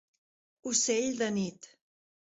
Ocell de nit.